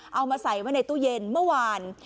เอามาใส่ไว้ในตู้เย็นเมื่อวาน